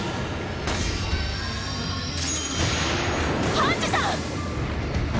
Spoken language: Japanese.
ハンジさん！！